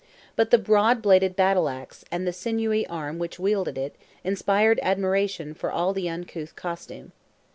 But the broad bladed battle axe, and the sinewy arm which wielded it, inspired admiration for all the uncouth costume.